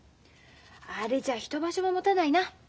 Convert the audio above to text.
あれじゃ一場所ももたないな。